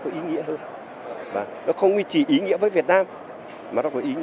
đúng như bạn nói tôi thì nhìn đấy là ở đó đấy